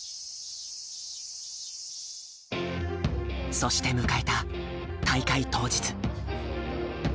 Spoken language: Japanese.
そして迎えた大会当日。